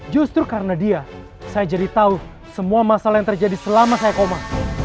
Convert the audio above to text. justru karena dia saya jadi tahu semua masalah yang terjadi selama saya koma